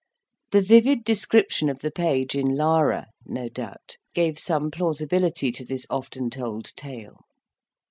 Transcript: The vivid description of the page in Lara, no doubt, gave some plausibility to this often told tale.